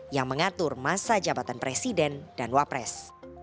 yang mengatur masa jabatan presiden dan wapres